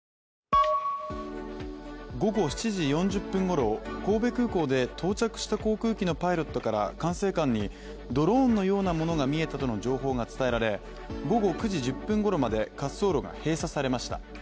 午後７時４０分ごろ、神戸空港で到着した航空機のパイロットから管制官にドローンのようなものが見えたとの情報が伝えられ午後９時１０分ごろまで滑走路が閉鎖されました。